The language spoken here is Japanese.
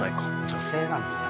女性なのかな？